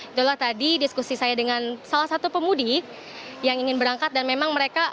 itulah tadi diskusi saya dengan salah satu pemudik yang ingin berangkat dan memang mereka